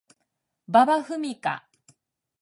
馬場ふみか